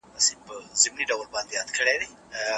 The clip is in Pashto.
ژړېدی ژړېدی .